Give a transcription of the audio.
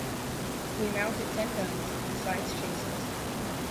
We mounted ten guns, besides chasers.